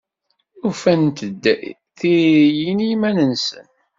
Ufant-d tiririyin i yiman-nsen.